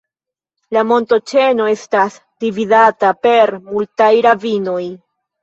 La montoĉeno estas dividata per multaj ravinoj.